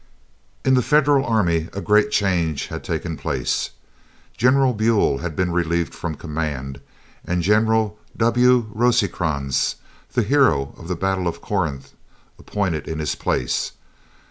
In the Federal army a great change had taken place. General Buell had been relieved from command, and General W. Rosecrans, the hero of the battle of Corinth, appointed in his place.